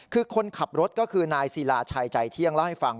คือคนขับรถก็คือนายศิลาชัยใจเที่ยงเล่าให้ฟัง